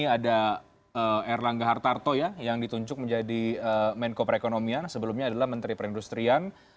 ada erlangga hartarto ya yang ditunjuk menjadi menko perekonomian sebelumnya adalah menteri perindustrian